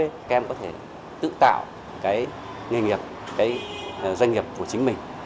các em có thể tự tạo cái nghề nghiệp cái doanh nghiệp của chính mình